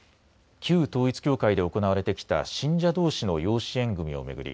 旧統一教会で行われてきた信者どうしの養子縁組みを巡り